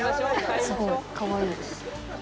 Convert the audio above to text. すごいかわいい。